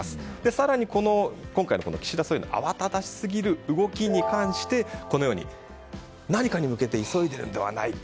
更に、今回の岸田総理のあわただし過ぎる動きに関してこのように、何かに向けて急いでいるのではないか。